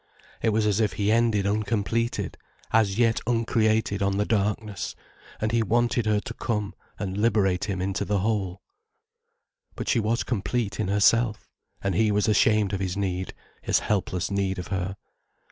It was as if he ended uncompleted, as yet uncreated on the darkness, and he wanted her to come and liberate him into the whole. But she was complete in herself, and he was ashamed of his need, his helpless need of her.